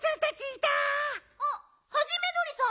あっハジメどりさん。